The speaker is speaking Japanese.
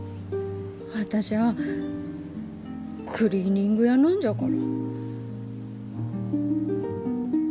私ゃあクリーニング屋なんじゃから。